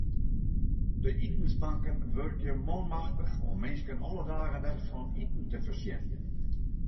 De itensbanken wurkje manmachtich om minsken alle dagen wer fan iten te foarsjen.